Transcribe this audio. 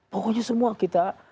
pokoknya semua kita